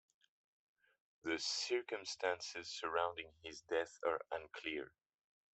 The circumstances surrounding his death are unclear.